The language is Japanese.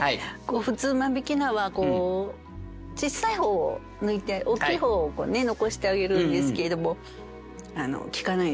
普通間引菜は小さい方を抜いて大きい方を残してあげるんですけれども聞かないですよね。